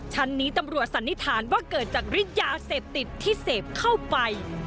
ชั้นนี้ตำรวจสันนิษฐานว่าเกิดจากฤทธิยาเสพติดที่เสพเข้าไป